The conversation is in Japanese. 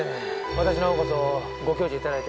私の方こそご教示頂いて。